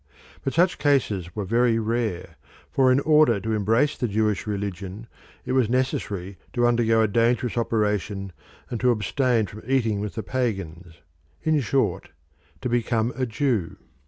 But such cases were very rare, for in order to embrace the Jewish religion it was necessary to undergo a dangerous operation and to abstain from eating with the pagans in short, to become a Jew.